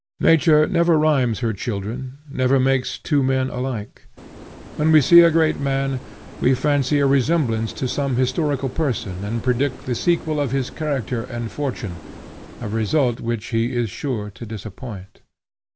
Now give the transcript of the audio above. Nature never rhymes her children, nor makes two men alike. When we see a great man we fancy a resemblance to some historical person, and predict the sequel of his character and fortune; a result which he is sure to disappoint.